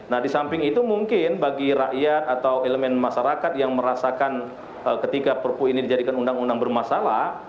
nah di samping itu mungkin bagi rakyat atau elemen masyarakat yang merasakan ketika perpu ini dijadikan undang undang bermasalah